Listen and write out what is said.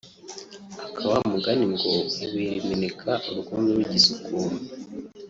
aka wa mugani ngo “ibuye rimeneka urwondo rugisukuma”